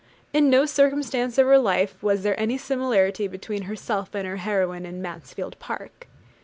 In no circumstance of her life was there any similarity between herself and her heroine in 'Mansfield Park.'